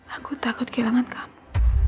aku takut kehilangan kamu